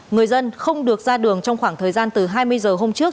người dân không được ra đường trong khoảng thời gian từ hai mươi giờ hôm trước